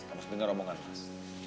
kamu harus denger omongan mas